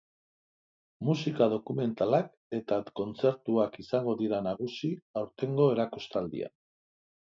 Musika dokumentalak eta kontzertuak izango dira nagusi aurtengo erakustaldian.